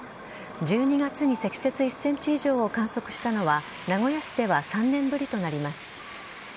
１２月に積雪１センチ以上を観測したのは、名古屋市では３年ぶりとなります。